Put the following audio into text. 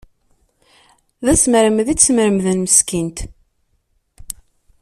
D asmermed i tt-smermden meskint.